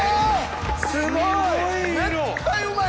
すごい！